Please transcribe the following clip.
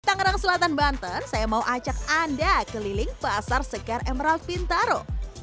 tangerang selatan banten saya mau ajak anda keliling pasar sekar emerald pintaro